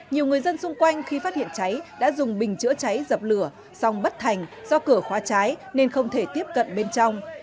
nhiều người dân xung quanh khi phát hiện cháy đã dùng bình chữa cháy dập lửa xong bất thành do cửa khóa cháy nên không thể tiếp cận bên trong